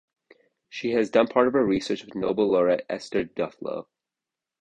She has done part of her research with Nobel laureate Esther Duflo.